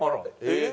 えっ？